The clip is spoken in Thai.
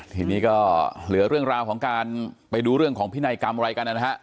ทีนี้ก็เหลือเรื่องราวของการไปดูเรื่องของพินัยกรรมอะไรกันนะฮะ